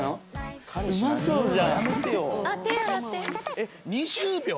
えっ２０秒？